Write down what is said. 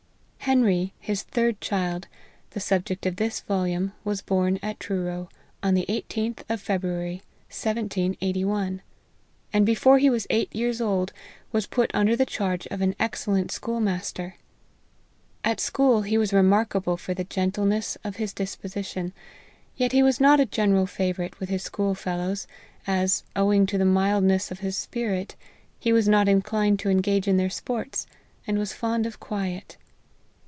Henry, his third child, the subject of this volume, was born at Truro, on the 18th of Feb ruary, 1781, and before he was eight years old, was put under the charge of an excellent school master. At school he was remarkable for the gen tleness of his disposition ; yet he was not a general favourite with his school fellows, as, owing to the mildness of his spirit, he was not inclined to engage in their sports, and was fond of quiet.